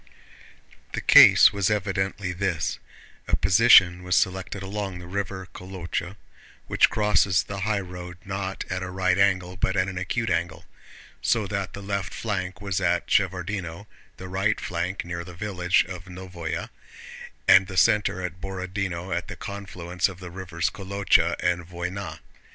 The case was evidently this: a position was selected along the river Kolochá—which crosses the highroad not at a right angle but at an acute angle—so that the left flank was at Shevárdino, the right flank near the village of Nóvoe, and the center at Borodinó at the confluence of the rivers Kolochá and Vóyna.